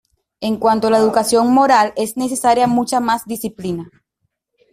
En cuanto a la educación moral, es necesaria mucha más disciplina.